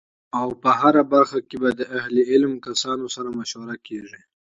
او په هره برخه کی به د اهل علم کسانو سره مشوره کیږی